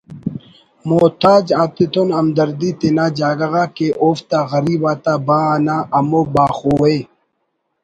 محتاج آتتون ہمدردی تینا جاگہ غا کہ اوفتا غریب آتا با انا ہمو باخو ءِ